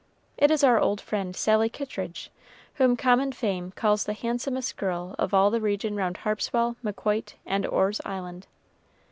It is our old friend, Sally Kittridge, whom common fame calls the handsomest girl of all the region round Harpswell, Maquoit, and Orr's Island.